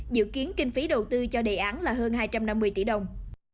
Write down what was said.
dự kiến kinh phí đầu tư cho đề án là hơn hai trăm năm mươi tỷ đồng